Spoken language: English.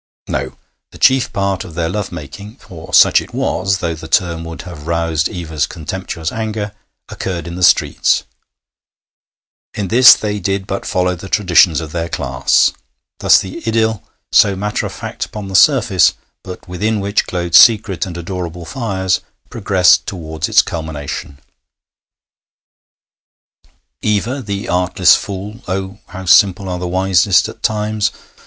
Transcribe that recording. No! The chief part of their love making (for such it was, though the term would have roused Eva's contemptuous anger) occurred in the streets; in this they did but follow the traditions of their class. Thus, the idyll, so matter of fact upon the surface, but within which glowed secret and adorable fires, progressed towards its culmination. Eva, the artless fool oh, how simple are the wisest at times!